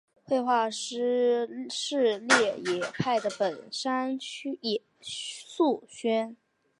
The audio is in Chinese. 绘画师事狩野派的山本素轩。